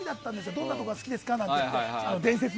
どんなところが好きなんですか？と。